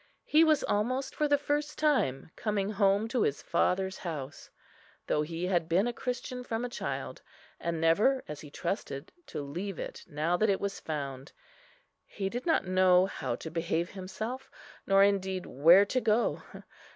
he was almost for the first time coming home to his father's house, though he had been a Christian from a child, and never, as he trusted, to leave it, now that it was found. He did not know how to behave himself, nor indeed where to go.